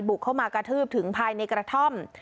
เข้ามากระทืบถึงภายในกระท่อม